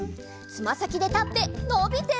つまさきでたってのびて！